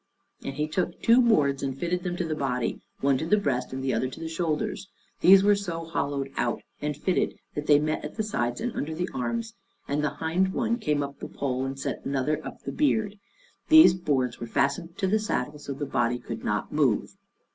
And he took two boards and fitted them to the body, one to the breast and the other to the shoulders; these were so hollowed out and fitted that they met at the sides and under the arms, and the hind one came up to the pole, and the other up to the beard. These boards were fastened into the saddle, so that the body could not move.